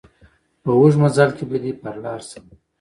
په اوږد مزله کي به دي پر لار سم